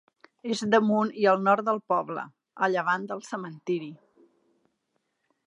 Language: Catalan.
És damunt i al nord del poble, a llevant del cementiri.